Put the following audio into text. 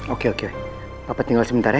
oke oke papa tinggal sebentar ya